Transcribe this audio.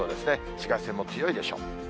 紫外線も強いでしょう。